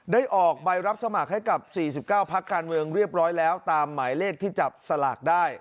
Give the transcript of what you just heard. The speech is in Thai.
ออกใบรับสมัครให้กับ๔๙พักการเมืองเรียบร้อยแล้วตามหมายเลขที่จับสลากได้